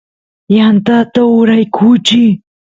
yantata uraykuchiy